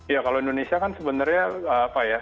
ya kalau indonesia kan sebenarnya apa ya